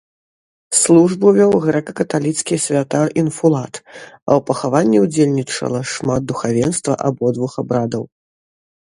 Службу вёў грэка-каталіцкі святар-інфулат, а ў пахаванні ўдзельнічала шмат духавенства абодвух абрадаў.